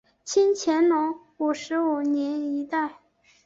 清乾隆五十五年一带。